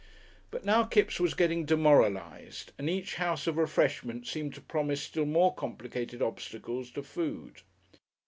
But now Kipps was getting demoralised, and each house of refreshment seemed to promise still more complicated obstacles to food.